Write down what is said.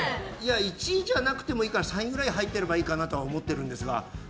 １位じゃなくてもいいから３位ぐらい入ってればいいかなとは思ってるんですが。